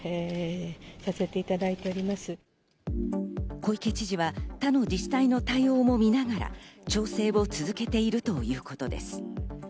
小池知事は他の自治体の対応も見ながら調整を続けているということです。